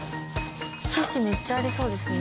皮脂めっちゃありそうですね。